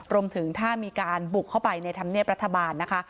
รวมถึงถ้ามีการบุกเข้าไปในธรรมเนียบรัฐบาลนะคะ